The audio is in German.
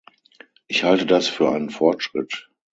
Ich halte das für einen Fortschritt.